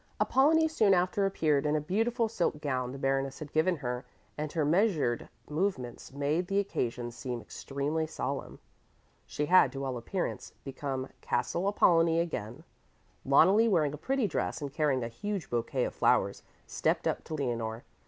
Apollonie soon after appeared in a beautiful silk gown the Baroness had given her, and her measured movements made the occasion seem extremely solemn. She had, to all appearance, become "Castle Apollonie" again. Loneli, wearing a pretty dress and carrying a huge bouquet of flowers, stepped up to Leonore.